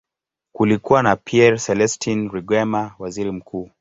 Kulikuwa na Pierre Celestin Rwigema, waziri mkuu.